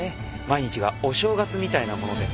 毎日がお正月みたいなもので。